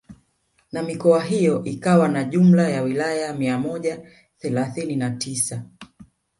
Na mikoa hiyo ikiwa na jumla ya wilaya mia moja thelathini na tisa